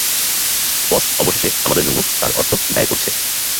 বস অবশেষে আমাদের জন্য তার অর্থ ব্যয় করছে।